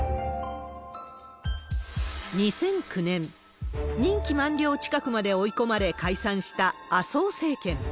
２００９年、任期満了近くまで追い込まれ、解散した麻生政権。